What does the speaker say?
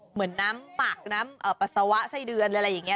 เหมือนน้ำปากน้ำปัสสาวะไส้เดือนอะไรอย่างนี้